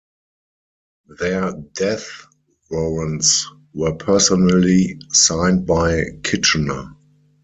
Their death warrants were personally signed by Kitchener.